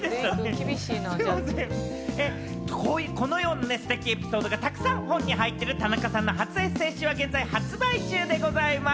このようなステキなエピソードがたくさん本に入っている田中さんの初エッセー集は現在発売中でございます。